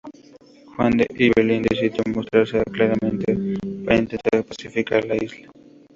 Juan de Ibelín decidió mostrarse clemente para intentar pacificar la isla.